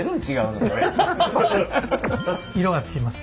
色がつきます。